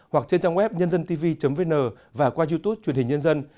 hoặc trên trang web nhândântv vn và qua youtube truyền hình nhân dân